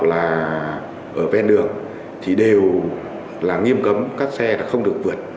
là ở ven đường thì đều là nghiêm cấm các xe là không được vượt